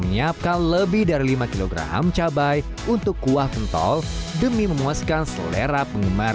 menyiapkan lebih dari lima kg cabai untuk kuah pentol demi memuaskan selera penggemar